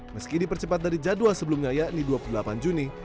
meski dipercepat dari jadwal sebelumnya yakni dua puluh delapan juni